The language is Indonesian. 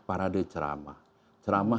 parade ceramah ceramah